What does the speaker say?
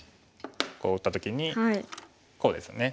こう打った時にこうですね。